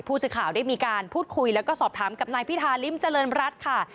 ผู้สื่อข่าวได้มีการพูดคุยแล้วก็สอบถามกับนายพิธาริมเจริญรัฐค่ะ